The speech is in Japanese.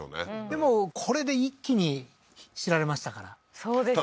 でもこれで一気に知られましたからそうですね